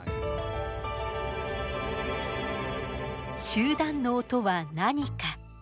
集団脳とは何か。